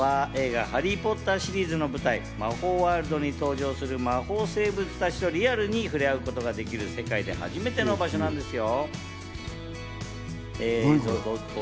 こちらは映画『ハリーポッター』シリーズの舞台、魔法ワールドに登場する魔法生物たちとリアルに触れ合うことができる世界で、初めての場所なんですよ。